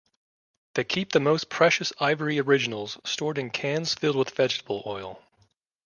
They keep the more precious ivory originals stored in cans filled with vegetable oil.